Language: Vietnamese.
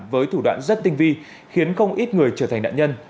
với thủ đoạn rất tinh vi khiến không ít người trở thành nạn nhân